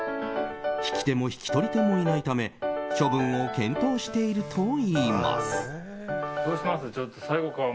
弾き手も引き取り手もいないため処分を検討しているといいます。